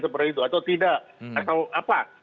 seperti itu atau tidak atau apa